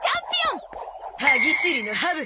歯ぎしりのハブ！